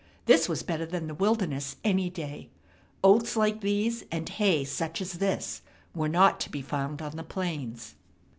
This was better than the wilderness any day. Oats like these, and hay such as this, were not to be found on the plains.